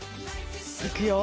いくよ